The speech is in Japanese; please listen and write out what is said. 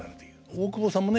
大久保さんもね